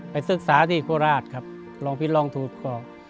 ไปศึกษาที่ครัวราชครับลองพิษลองทุกของ